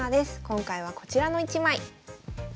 今回はこちらの一枚。